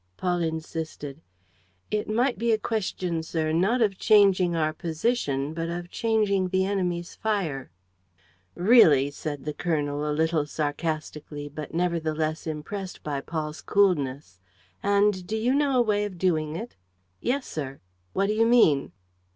Paul insisted: "It might be a question, sir, not of changing our position, but of changing the enemy's fire." "Really!" said the colonel, a little sarcastically, but nevertheless impressed by Paul's coolness. "And do you know a way of doing it?" "Yes, sir." "What do you mean?"